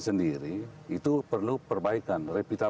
sendiri itu perlu perbaikan